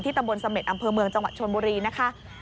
ตำบลเสม็ดอำเภอเมืองจังหวัดชนบุรีนะคะ